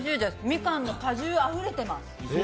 みかんの果汁、あふれてます。